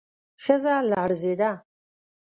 ښځه لړزېده.